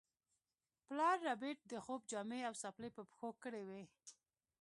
پلار ربیټ د خوب جامې او څپلۍ په پښو کړې وې